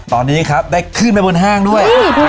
ตอนนี้ครับได้ขึ้นไปบนห้างด้วย